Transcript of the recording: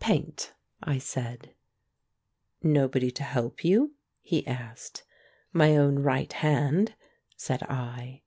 "Paint," I said. "Nobody to help you?" he asked. *'My own right hand," said I.